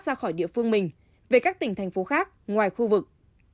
ra khỏi địa phương mình về các tỉnh thành phố khác ngoài khu vực